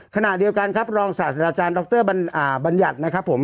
ขณะเดียวกันครับรองศาสตราจารย์ดรบัญญัตินะครับผม